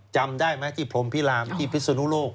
จำได้ไหมที่พรมพิรามที่พิศนุโลก